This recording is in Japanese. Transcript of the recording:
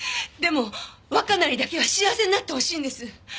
でも若菜にだけは幸せになってほしいんです。